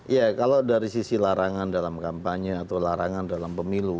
ya kalau dari sisi larangan dalam kampanye atau larangan dalam pemilu